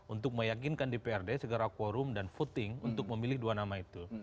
untuk meyakinkan dprd segera quorum dan voting untuk memilih dua nama itu